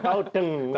tahu tahu banyak ya